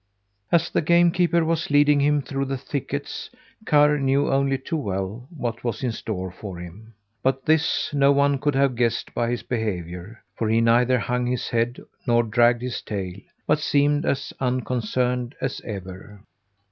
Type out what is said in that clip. As the game keeper was leading him through the thickets, Karr knew only too well what was in store for him. But this no one could have guessed by his behaviour, for he neither hung his head nor dragged his tail, but seemed as unconcerned as ever.